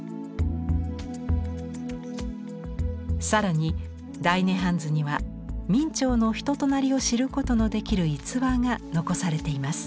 更に「大涅槃図」には明兆の人となりを知ることのできる逸話が残されています。